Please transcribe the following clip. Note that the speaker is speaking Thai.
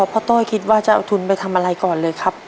ต้อยคิดว่าจะเอาทุนไปทำอะไรก่อนเลยครับ